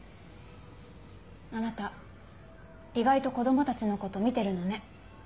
あなた意外と子供たちのこと見てるのね。